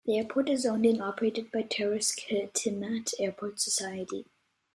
The airport is owned and operated by the Terrace-Kitimat Airport Society.